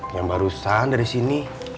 yang barusan dari sini